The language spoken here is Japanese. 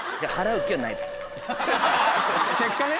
結果ね。